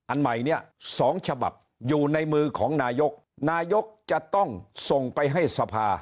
อันใหม่เนี่ย๒ฉบับอยู่ในมือของนายกนายกจะต้องส่งไปให้สภา